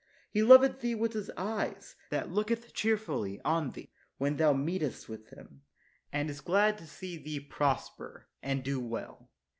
He loveth thee with his eyes, that looketh cheer fully on thee when thou meetest with him, and is glad to see thee prosper and do well.